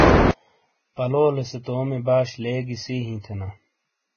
پلولے سے تومی باش لیگی سی ھی تھے نا